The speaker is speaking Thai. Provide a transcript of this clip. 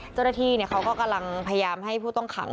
เจ้าหน้าที่เขาก็กำลังพยายามให้ผู้ต้องขัง